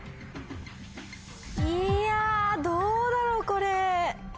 いやぁどうだろうこれ。